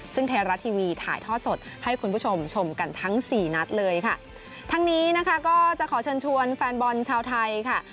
ซึ่งไทยรัฐทีวีถ่ายทอดสดให้คุณผู้ชมชมกันทั้งสี่นัดเลยค่ะทั้งนี้นะคะก็จะขอเชิญชวนแฟนบอลชาวไทยค่ะ